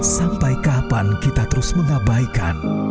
sampai kapan kita terus mengabaikan